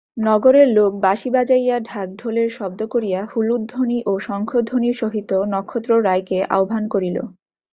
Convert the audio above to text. নগরের লোক বাঁশি বাজাইয়া ঢাকঢোলের শব্দ করিয়া হুলুধ্বনি ও শঙ্খধ্বনির সহিত নক্ষত্ররায়কে আহ্বান করিল।